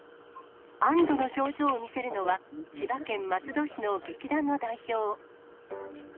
安どの表情を見せるのは、千葉県松戸市の劇団の代表。